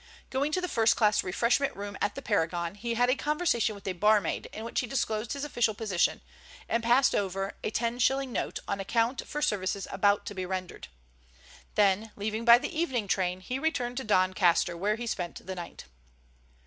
Going to the first class refreshment room at the Paragon, he had a conversation with the barmaid in which he disclosed his official position, and passed over a ten shilling note on account for services about to be rendered. Then, leaving by the evening train, he returned to Doncaster, where he spent the night.